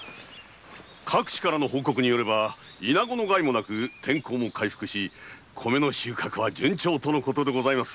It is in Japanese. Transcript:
各地からの報告によればイナゴの害もなく天候も回復し米の収穫は順調とのことでございます。